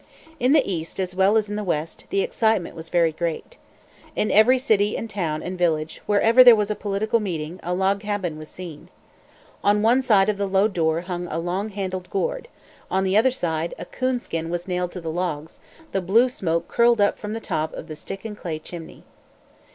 In the East as well as in the West, the excitement was very great. In every city and town and village, wherever there was a political meeting, a log cabin was seen. On one side of the low door hung a long handled gourd; on the other side, a coon skin was nailed to the logs, the blue smoke curled up from the top of the stick and clay chimney.